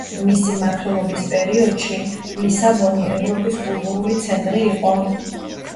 მისი მმართველობის პერიოდში ლისაბონი ევროპის კულტურული ცენტრი იყო.